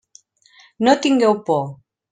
No tingueu por.